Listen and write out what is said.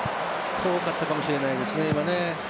怖かったかもしれないですね今ね。